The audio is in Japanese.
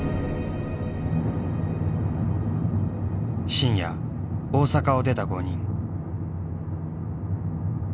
深夜大阪を出た５人。